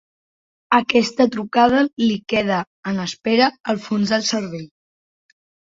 Aquesta trucada li queda en espera al fons del cervell.